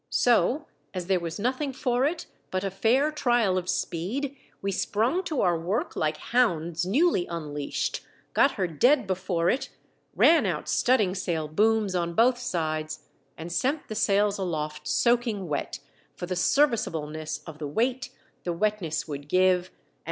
So as there was nothing for it but a fair trial of speed, we sprung to our work like hounds newly un leashed, got her dead before it, ran out stud ding sail booms on both sides and sent the sails aloft soakino wet for the serviceableness of the weight the wetness would give, and WE ARE CHASED AND NEARLY CAPTURED.